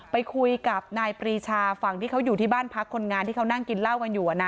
ไปคุยกับนายปรีชาฝั่งที่เขาอยู่ที่บ้านพักคนงานที่เขานั่งกินเหล้ากันอยู่นะ